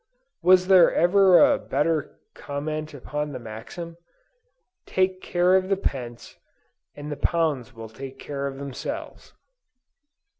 Was there ever a better comment upon the maxim? "Take care of the pence, and the pounds will take care of themselves."